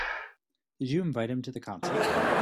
Did you invite him to the concert?